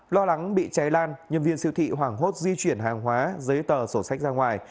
lo lắng bị cháy lan nhân viên siêu thị hoảng hốt di chuyển hàng hóa giấy tờ sổ sách ra ngoài